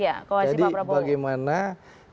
iya koalisi pak prabowo